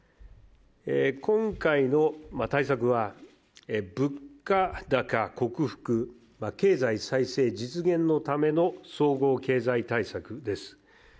今回の対策は、物価高克服、経済再生実現のための総合経済対策です。